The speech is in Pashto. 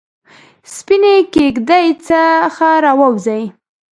سپینې کیږ دۍ څخه راووزي